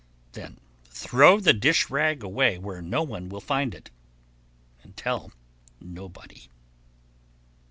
Then throw the dish rag away where no one can find it, and tell nobody.